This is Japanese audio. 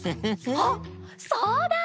あっそうだ！